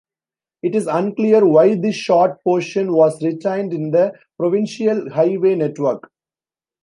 It is unclear why this short portion was retained in the provincial highway network.